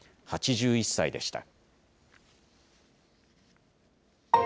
８１歳でした。